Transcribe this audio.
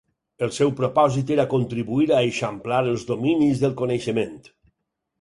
El seu propòsit era contribuir a eixamplar els dominis del coneixement.